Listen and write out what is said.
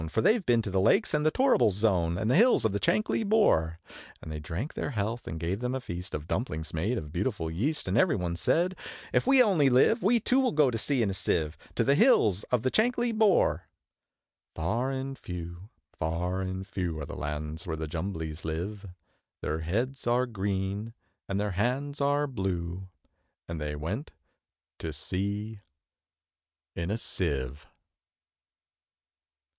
For they've been to the Lakes, and the Torrible Zone, And the hills of the Chankly Bore!' And they drank their health, and gave them a feast Of dumplings made of beautiful yeast; And every one said, `If we only live, We too will go to sea in a Sieve, To the hills of the Chankly Bore!' Far and few, far and few, Are the lands where the Jumblies live; Their heads are green, and their hands are blue, And they went to sea in a Sieve.